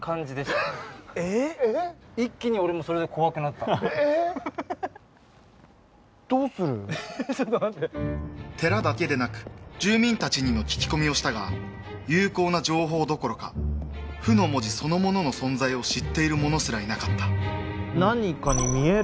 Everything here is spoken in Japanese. ちょっと待って寺だけでなく住民達にも聞き込みをしたが有効な情報どころか「不」の文字そのものの存在を知っている者すらいなかった何かに見える？